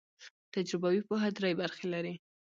تجربوي پوهه درې برخې لري.